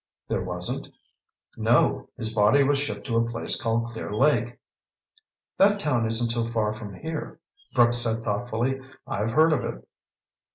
"There wasn't?" "No. His body was shipped to a place called Clear Lake." "That town isn't so far from here," Brooks said thoughtfully. "I've heard of it."